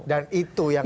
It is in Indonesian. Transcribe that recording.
dan itu yang